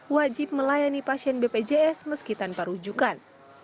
wajib melayani pasien bpjs meski tanpa rujukan